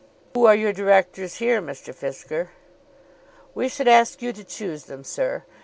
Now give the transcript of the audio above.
"Who are to be your directors here, Mr. Fisker?" "We should ask you to choose them, sir.